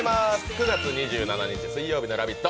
９月２７日水曜日の「ラヴィット！」